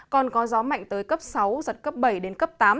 còn có gió mạnh tới cấp sáu giật cấp bảy đến cấp tám